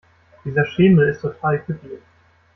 Dieser Schemel ist total kippelig.